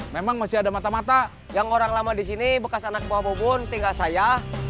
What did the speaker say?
memang masih ada mata mata yang orang lama di sini bekas anak bawah pun tinggal saya